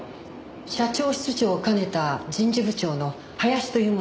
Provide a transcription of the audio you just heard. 社長室長を兼ねた人事部長の林という者です。